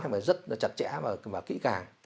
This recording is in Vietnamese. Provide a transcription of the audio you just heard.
phải rất là chặt chẽ và kỹ càng